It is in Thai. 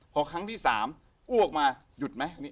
พอครั้งที่๓อ้วกมาหยุดไหม